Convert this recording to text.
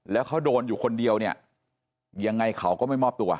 แล้วเขาโดนอยู่คนเดียวเนี่ยยังไงเขาก็ไม่มอบตัว